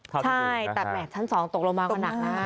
ใช่แต่แหมดชั้น๒ตกลงกันอะ